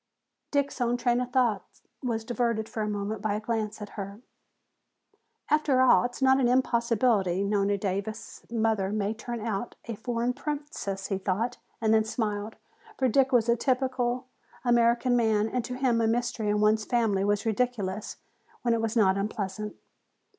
Dick's own train of thought was diverted for a moment by a glance at her. "After all, it is not an impossibility, Nona Davis' mother may turn out a foreign princess," he thought, and then smiled. For Dick was a typical American man and to him a mystery in one's family was ridiculous when it was not unpleasant.